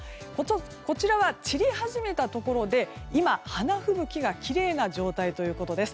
こちらは、散り始めたところで今、花吹雪がきれいな状態ということです。